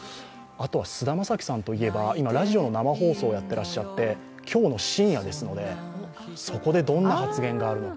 菅田将暉さんといえば、今、ラジオの生放送をやっていらっしゃって今日の深夜ですので、そこでどんな発言があるのか。